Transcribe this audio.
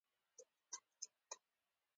خو ایا موږ د شرکت پیل کولو لپاره هرڅه لرو